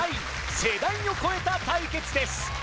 世代を超えた対決です